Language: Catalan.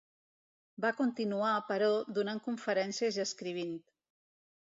Va continuar, però, donant conferències i escrivint.